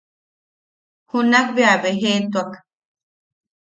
Junak bea a bejetuak.